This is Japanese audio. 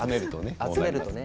集めるとね。